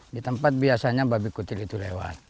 di tempat biasanya babi kutil itu lewat